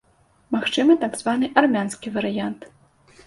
Магчымы так званы армянскі варыянт.